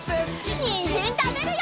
にんじんたべるよ！